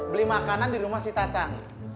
beli makanan di rumah si tatang